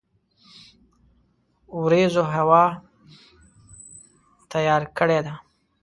وریځوهوا تیار کړی ده